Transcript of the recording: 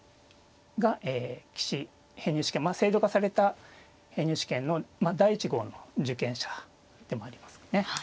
がえ棋士編入試験まあ制度化された編入試験の第１号の受験者でもありますね。